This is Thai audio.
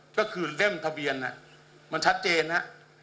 ก็คือเล่มทะเบียนมันชัดเจนนะ